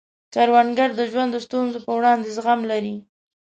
کروندګر د ژوند د ستونزو په وړاندې زغم لري